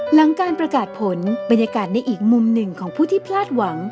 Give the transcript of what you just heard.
หลังการประกาศผลบรรยากาศในอีกมุมหนึ่งของผู้ที่พลาดหวัง